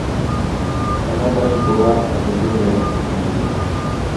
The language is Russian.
Она даже была оживленнее обыкновенного.